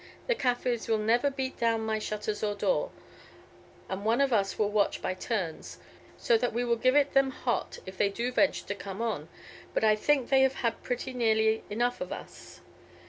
The Kaffirs will never beat down my shutters or door, and one of us will watch by turns, so that we will give it them hot if they do venture to come on; but I think they have had pretty nearly enough of us."